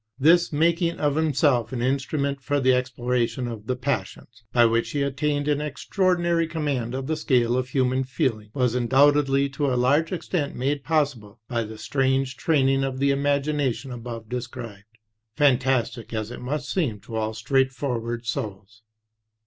This making of himself an instrument for the exploration of the passions, by which he attained an extraordinary command of the scale of human feeling, was undoubtedly to a large extent made possible by the strange training of the imagination above described, fantastic as it must seem to all straightforward souls.